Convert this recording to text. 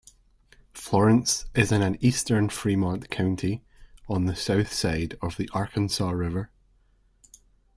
Florence is in eastern Fremont County, on the south side of the Arkansas River.